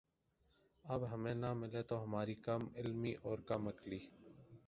اب ہمیں نہ ملے تو ہماری کم علمی اور کم عقلی